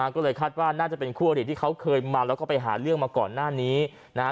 ก็เลยคาดว่าน่าจะเป็นคู่อดีตที่เขาเคยมาแล้วก็ไปหาเรื่องมาก่อนหน้านี้นะฮะ